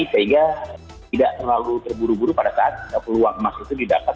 sehingga tidak terlalu terburu buru pada saat peluang emas itu didapat